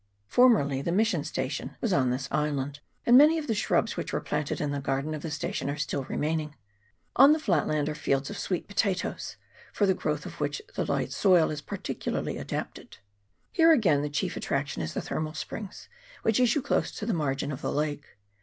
Formerly the mission station was on this island, and many of the shrubs which were planted in the garden of the station are still remaining. On the flat land are fields of sweet potatoes, for the growth of which the light soil is peculiarly adapted. Here, again, the chief attraction is the thermal springs which issue close to the margin of the lake.